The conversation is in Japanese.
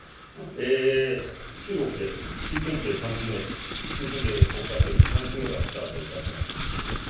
中国で習近平３期目と、習近平国家主席３期目がスタートいたしました。